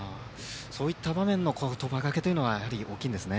そういった場面での言葉がけというのはやはり大きいんですね。